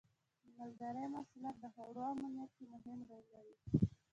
د مالدارۍ محصولات د خوړو امنیت کې مهم رول لري.